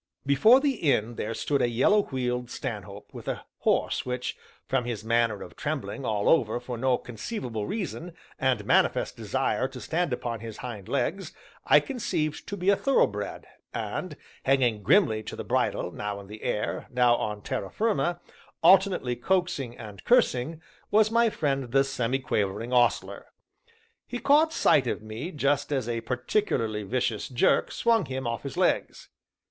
Before the inn there stood a yellow wheeled stanhope with a horse which, from his manner of trembling all over for no conceivable reason, and manifest desire to stand upon his hind legs, I conceived to be a thorough bred; and, hanging grimly to the bridle, now in the air, now on terra firma, alternately coaxing and cursing, was my friend the Semi quavering Ostler. He caught sight of me just as a particularly vicious jerk swung him off his legs.